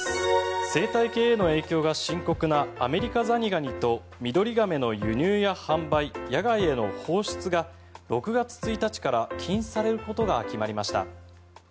生態系への影響が深刻なアメリカザリガニとミドリガメの輸入や販売野外への放出が６月１日から禁止されることが決まりました。